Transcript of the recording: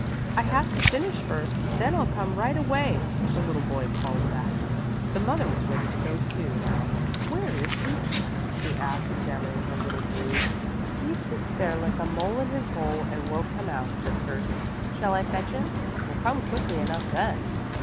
"I have to finish first, then I'll come right away," the little boy called back. The mother was ready to go, too, now. "Where is Lippo?" she asked, examining her little brood. "He sits in there like a mole in his hole and won't come out," said Kurt "Shall I fetch him? He'll come quickly enough then."